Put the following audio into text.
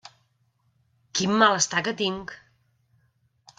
Quin malestar que tinc!